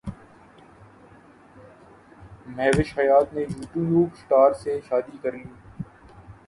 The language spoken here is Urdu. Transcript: مہوش حیات نے یوٹیوب اسٹار سے شادی کرلی